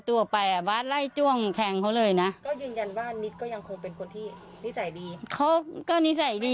ไม่หาเรื่องใครก่อน